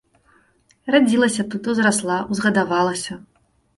Радзілася тут, узрасла, узгадавалася.